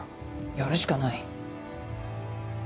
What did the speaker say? やるしかない。